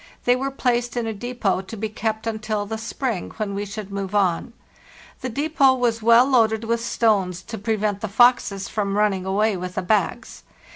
They were placed in a depot to be kept until the spring, when we should move on. The depot was well loaded with stones to prevent the foxes from running away with the bags.